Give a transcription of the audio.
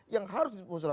yang harus dimusulkan